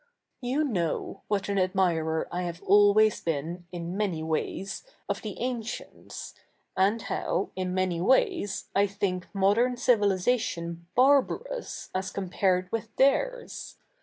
' You k7iow what a7t admirer I have always bee7i, i7i ma7iy ivays, of the a7icients, and how, i7i 77ia7iy ways, I think 7nodern civilisatio7i barba7'ous as co7npared ivith theirs.